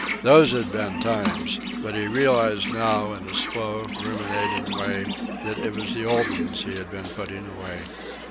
Those had been times! But he realized now, in his slow, ruminating way, that it was the old uns he had been putting away.